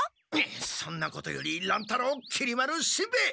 そんなことより乱太郎きり丸しんべヱ。